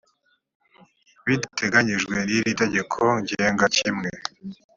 bidateganyijwe n iri tegeko ngenga kimwe